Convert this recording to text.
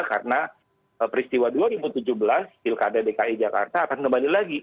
karena peristiwa dua ribu tujuh belas pilkada dki jakarta akan kembali lagi